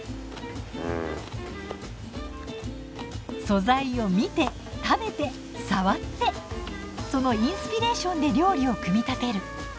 素材を見て食べて触ってそのインスピレーションで料理を組み立てる。